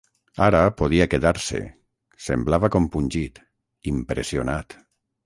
Ara podia quedar-se, semblava compungit, impressionat.